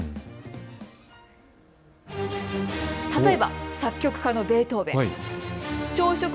例えば作曲家のベートーベン。